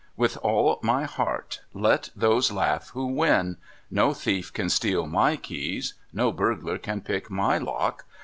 With all my heart ! Let those laugh who win. No thief can steal my keys. No burglar can pick my lock.